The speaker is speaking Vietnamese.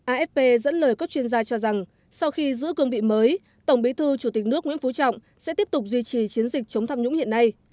afp dẫn lời các chuyên gia cho rằng sau khi giữ cương vị mới tổng bí thư chủ tịch nước nguyễn phú trọng sẽ tiếp tục duy trì chiến dịch chống tham nhũng hiện nay